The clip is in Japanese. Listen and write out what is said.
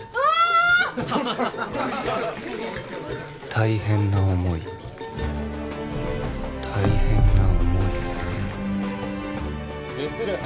大変な思い大変な思いね